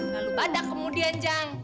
lalu badak kemudian jang